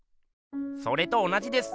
それと同じです。